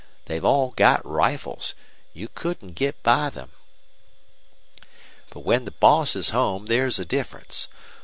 They've all got rifles. You couldn't git by them. But when the boss is home there's a difference.